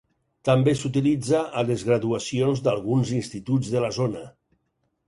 També s'utilitza a les graduacions d'alguns instituts de la zona.